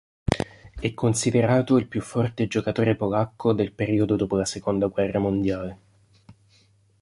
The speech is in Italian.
È considerato il più forte giocatore polacco del periodo dopo la seconda guerra mondiale.